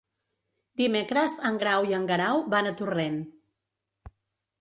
Dimecres en Grau i en Guerau van a Torrent.